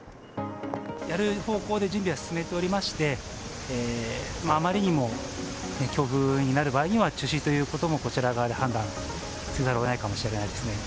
やる方向で準備は進めておりまして、あまりにも強風になる場合には中止ということも、こちら側で判断せざるをえないかもしれないですね。